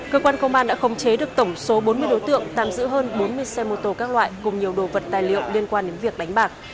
cơ quan công an đã khống chế được tổng số bốn mươi đối tượng tạm giữ hơn bốn mươi xe mô tô các loại cùng nhiều đồ vật tài liệu liên quan đến việc đánh bạc